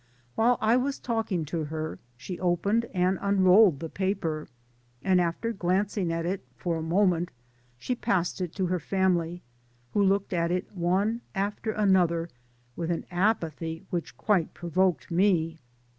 While I was talking to her she opened and unrolled the paper, and after glancing at it for a moment, she passed it to her family, who looked at it one after another with an apathy which quite provoked me.